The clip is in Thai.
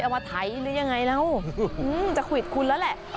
เอามาไถหรือยังไงเราจะคุยกับคุณแล้วแหละ